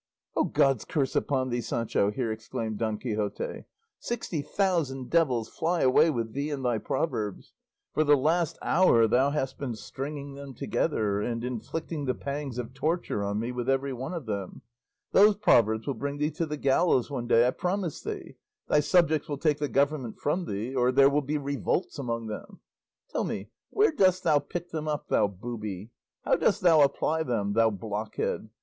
'" "Oh, God's curse upon thee, Sancho!" here exclaimed Don Quixote; "sixty thousand devils fly away with thee and thy proverbs! For the last hour thou hast been stringing them together and inflicting the pangs of torture on me with every one of them. Those proverbs will bring thee to the gallows one day, I promise thee; thy subjects will take the government from thee, or there will be revolts among them. Tell me, where dost thou pick them up, thou booby? How dost thou apply them, thou blockhead?